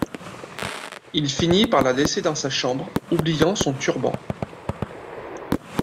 Il finit par la laisser dans sa chambre, oubliant son turban.